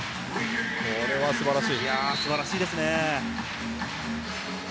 これは素晴らしい。